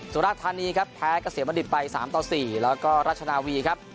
สุราคธานีครับแพ้เกษตรวรรดิไปสามต่อสี่แล้วก็รัชนาวีครับ